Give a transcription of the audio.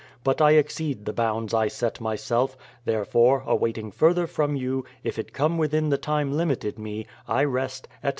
But I exceed the bounds I set mj'self ; therefore, awaiting further from you, if it come within the time limited me, I rest, etc.